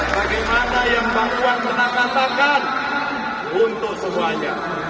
bagaimana yang bangkuan pernah katakan untuk semuanya